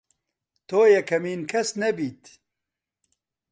تۆ یەکەمین کەس نەبیت